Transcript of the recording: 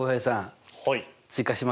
追加しますよ。